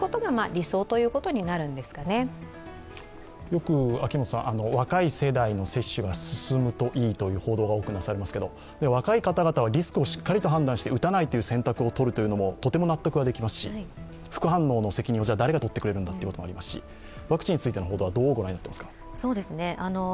よく若い世代の接種が進むといいという報道が多くされますけれども、若い方々はリスクをしっかりと判断して打たないという選択をとるのもとても納得はできますし副反応の責任を誰が取ってくれるんだっていうこともありますしワクチンについての報道は、どう御覧になっていますか？